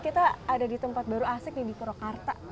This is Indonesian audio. kita ada di tempat baru asik nih di purwakarta